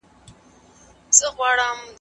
پاته پيسې نجلۍ ته تر واده وروسته ورکړي.